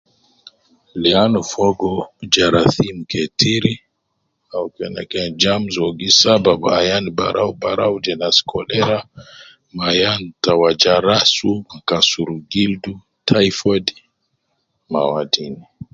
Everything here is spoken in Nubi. Le ana fogo jerasin ketir au kena kelem germs, wu gi sabab ayan barau barau je nas cholera, me ayan te waja ras, kasuru gildu ,typhoid ma wadin